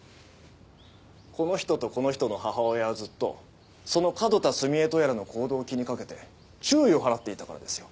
この人とこの人の母親はずっとその角田澄江とやらの行動を気にかけて注意を払っていたからですよ。